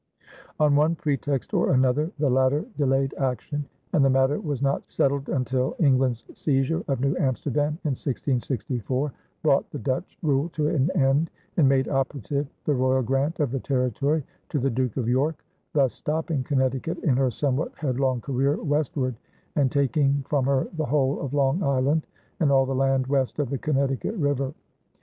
On one pretext or another, the latter delayed action; and the matter was not settled until England's seizure of New Amsterdam in 1664 brought the Dutch rule to an end and made operative the royal grant of the territory to the Duke of York, thus stopping Connecticut in her somewhat headlong career westward and taking from her the whole of Long Island and all the land west of the Connecticut River.